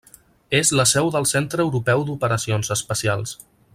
És la seu del Centre Europeu d'Operacions Espacials.